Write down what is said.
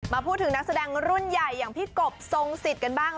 พูดถึงนักแสดงรุ่นใหญ่อย่างพี่กบทรงสิทธิ์กันบ้าง